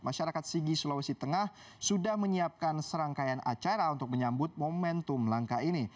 masyarakat sigi sulawesi tengah sudah menyiapkan serangkaian acara untuk menyambut momentum langkah ini